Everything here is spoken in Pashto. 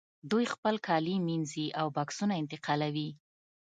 دوی خپل کالي مینځي او بکسونه انتقالوي